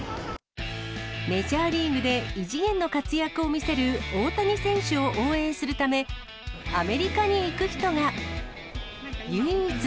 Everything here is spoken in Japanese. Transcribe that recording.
メジャーリーグで異次元の活躍を見せる大谷選手を応援するため、アメリカに行く人が。